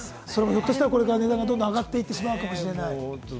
ひょっとしたらそれも、これからどんどん値段が上がっていってしまうかもしれない。